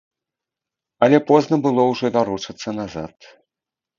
Але позна было ўжо варочацца назад.